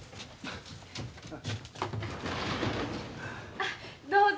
あっどうぞ。